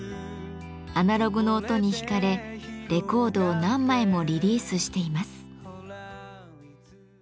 アナログの音に引かれレコードを何枚もリリースしています。